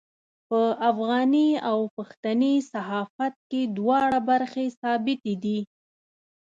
په افغاني او پښتني صحافت کې دواړه برخې ثابتې دي.